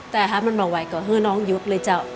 แต่ฮะมันมาไหวก่อนเธอน้องยุคเลยเจ้า